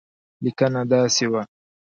لیکنه داسې وه.